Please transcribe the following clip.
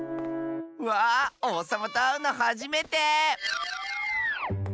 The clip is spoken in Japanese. わあおうさまとあうのはじめて。